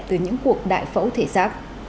từ những cuộc đại phẫu thể giác